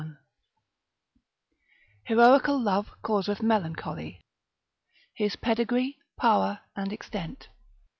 I.—Heroical love causeth Melancholy. His Pedigree, Power, and Extent.